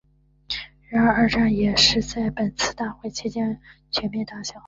然而二战亦是在本次大会期间全面打响。